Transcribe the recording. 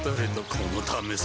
このためさ